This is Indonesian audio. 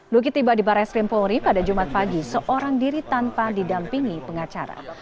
luki tiba di barres krim polri pada jumat pagi seorang diri tanpa didampingi pengacara